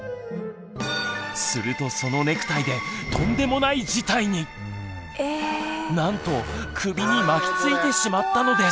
するとそのなんと首に巻きついてしまったのです。